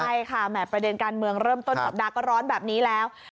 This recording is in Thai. ใช่ค่ะแห่ประเด็นการเมืองเริ่มต้นสัปดาห์ก็ร้อนแบบนี้แล้ว